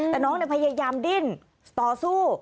แต่น้องพยายามดิ้นต่อสู้